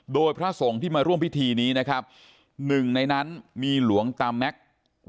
โดยพระสงฆ์ที่มาร่วมพิธีนี้นะครับหนึ่งในนั้นมีหลวงตาแม็กซ์